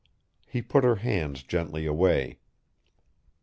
He put her hands gently away.